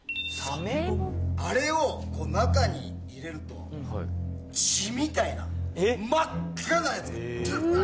あれを中に入れると血みたいな真っ赤なやつがダラ。